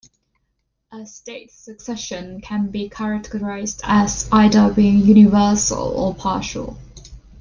A state succession can be characterized as either being "universal" or "partial".